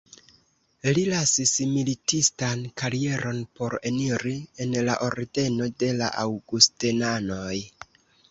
Li lasis militistan karieron por eniri en la ordeno de la Aŭgustenanoj.